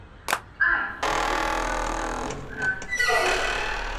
Ай, такія ж кошты, як і ў краме!